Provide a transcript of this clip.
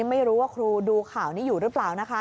ไม่รู้ว่าครูดูข่าวนี้อยู่หรือเปล่านะคะ